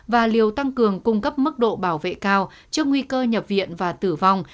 và liều tăng cường cung cấp mức độ bảo vệ cao trước nguy cơ nhập viện và tử vong